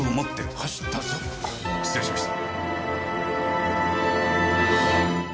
あっ失礼しました。